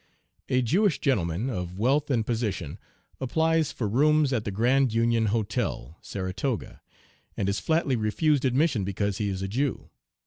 A Jewish gentleman, of wealth and position, applies for rooms at the Grand Union Hotel, Saratoga, and is flatly refused admission because he is a Jew.